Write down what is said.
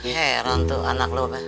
hei rom tuh anak lo apa